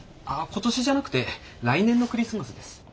あっ今年じゃなくて来年のクリスマスです。